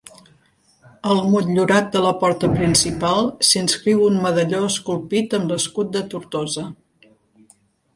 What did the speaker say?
Al motllurat de la porta principal s'inscriu un medalló esculpit amb l'escut de Tortosa.